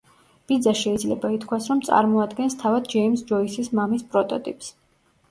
ბიძა შეიძლება ითქვას, რომ წარმოადგენს თავად ჯეიმზ ჯოისის მამის პროტოტიპს.